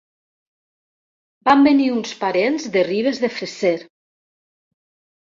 Van venir uns parents de Ribes de Freser.